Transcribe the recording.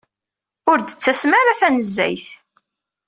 Ur d-tettasem ara tanezzayt.